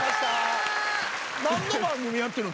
何の番組やってるの？